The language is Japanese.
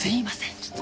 ちょっと。